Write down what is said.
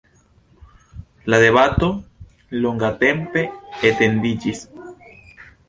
La debato longatempe etendiĝis.